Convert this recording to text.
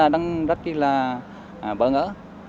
đang rất bỡ ngỡ